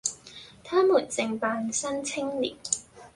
他們正辦《新青年》，